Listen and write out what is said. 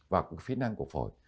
vào phế năng của phổi